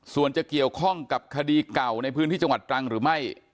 ส่วนจะเกี่ยวข้องกับคดีเก่าในพื้นที่จังหวัดตรังหรือไม่